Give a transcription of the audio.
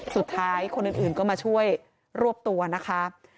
สุดท้ายคนอื่นก็มาช่วยรวบตัวนะคะ